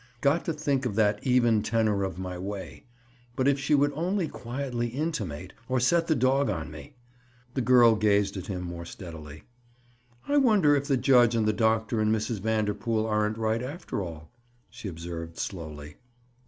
Got to think of that even tenor of my way! But if she would only quietly intimate—or set the dog on me—" The girl gazed at him more steadily. "I wonder if the judge and the doctor and Mrs. Vanderpool aren't right, after all?" she observed slowly.